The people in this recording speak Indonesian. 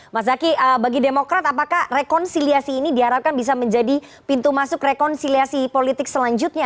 mas zaky bagi demokrat apakah rekonsiliasi ini diharapkan bisa menjadi pintu masuk rekonsiliasi politik selanjutnya